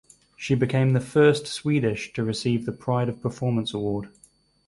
She became the first Swedish to receive the Pride of Performance award.